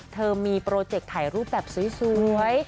เธอมีโปรเจกต์ถ่ายรูปแบบสวย